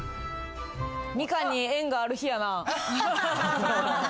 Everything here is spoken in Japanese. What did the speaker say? ミカンに縁がある日やな。